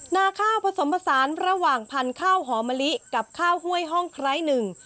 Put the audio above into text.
นาข้าวผสมผสานระหว่างพันธุ์ข้าวหอมะลิกับข้าวห้วยห้องไคร้หนึ่ง